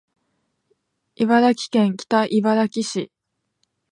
茨城県北茨城市